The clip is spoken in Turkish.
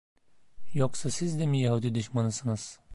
Yoksa siz de mi Yahudi düşmanısınız?